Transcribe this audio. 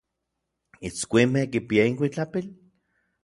¿Itskuinmej kipiaj inkuitlapil?